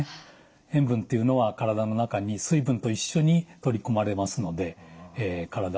塩分っていうのは体の中に水分と一緒に取り込まれますので体がむくんでいきやすくなる。